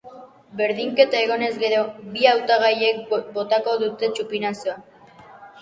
Berdinketa egonez gero, bi hautagaiek botako dute txupinazoa.